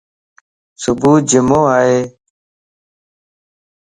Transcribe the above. صبح جمع ائي